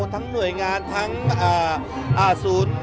ทั้งหน่วยงานทั้งศูนย์